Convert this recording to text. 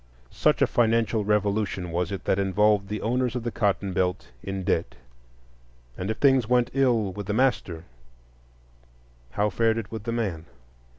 Such a financial revolution was it that involved the owners of the cotton belt in debt. And if things went ill with the master, how fared it with the man?